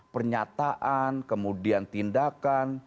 pernyataan kemudian tindakan